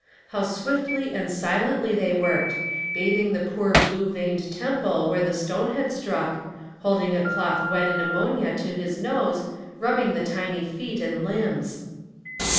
How swiftly and silently they worked, bathing the poor blue veined temple where the stone had struck, hold ing a cloth wet in ammonia to his nose, rubbing the tiny feet and limbs.